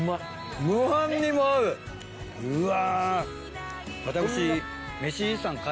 うわ。